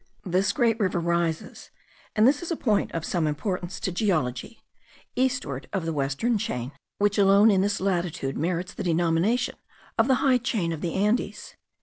This great river rises (and this is a point of some importance to geology) eastward of the western chain, which alone in this latitude merits the denomination of the high chain of the Andes.